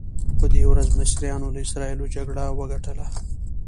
په دې ورځ مصریانو له اسراییلو جګړه وګټله.